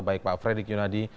baik pak fredrik yunadi